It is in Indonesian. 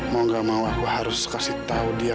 mau gak mau aku harus kasih tahu dia